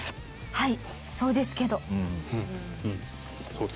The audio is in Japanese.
はい。